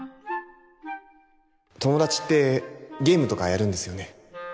友達ってゲームとかやるんですよね